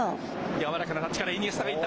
やわらかなタッチからイニエスタが行った。